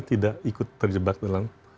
tidak ikut terjebak dalam